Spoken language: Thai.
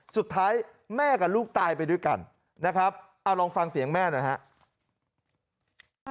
สุดท้ายแม่กับลูกตายไปด้วยกันนะครับเอาลองฟังเสียงแม่หน่อยฮะ